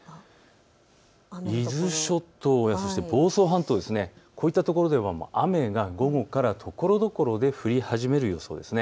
伊豆諸島や房総半島、こういったところでは雨が午後からところどころで降り始める予想です。